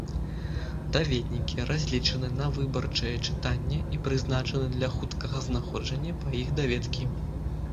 Даведнікі разлічаны на выбарчае чытанне і прызначаны для хуткага знаходжання па іх даведкі.